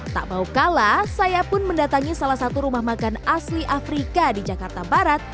tak mau kalah saya pun mendatangi salah satu rumah makan asli afrika di jakarta barat